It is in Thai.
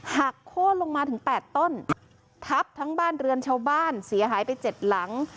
หักโค้นลงมาถึงแปดต้นทับทั้งบ้านเรือนชาวบ้านเสียหายไปเจ็ดหลัง